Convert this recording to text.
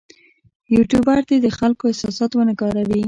یوټوبر دې د خلکو احساسات ونه کاروي.